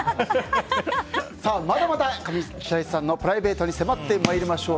まだまだ上白石さんのプライベートに迫っていきましょう。